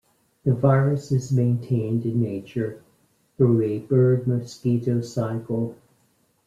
The virus is maintained in nature through a bird-mosquito cycle.